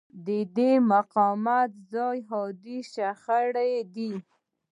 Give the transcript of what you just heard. د دې مقاومت ځای حادې شخړې دي.